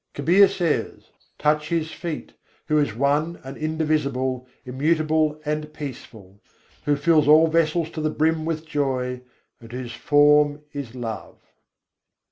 Kabîr says: "Touch His feet, who is one and indivisible, immutable and peaceful; who fills all vessels to the brim with joy, and whose form is love."